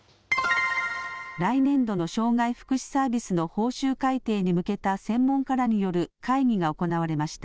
来年度の障害福祉サービスの報酬改定に向けた専門家らによる会議が行われました。